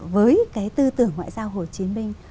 với cái tư tưởng ngoại giao hồ chí minh